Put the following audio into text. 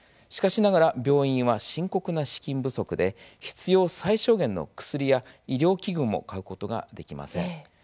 しかしながら病院は深刻な資金不足で必要最小限の薬や医療器具も買うことができません。